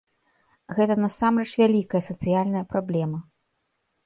Гэта насамрэч вялікая сацыяльная праблема.